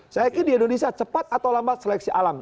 saya yakin di indonesia cepat atau lambat seleksi alam